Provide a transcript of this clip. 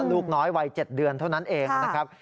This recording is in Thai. ลูกน้อยวัย๗เดือนเท่านั้นเองนะครับ